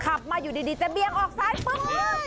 ขับมาอยู่ดีจะเบียงออกซ้ายปึ้ง